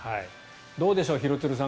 どうでしょう廣津留さん